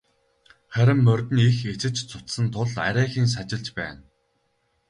Харин морьд нь их эцэж цуцсан тул арайхийн сажилж байна.